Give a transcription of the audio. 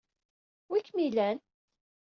Wi-kem ilan?